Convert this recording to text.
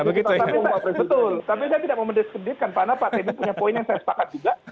betul tapi saya tidak mau mendeskreditkan karena pak teddy punya poin yang saya sepakat juga